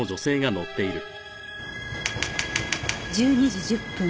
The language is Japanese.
１２時１０分